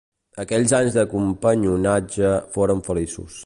Aquells anys de companyonatge foren feliços.